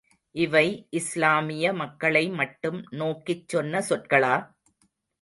இவை இஸ்லாமிய மக்களை மட்டும் நோக்கிச் சொன்ன சொற்களா?